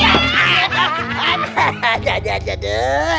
aneh mau kena